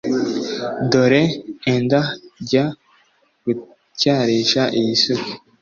dore enda jya gutyarisha iyi suka,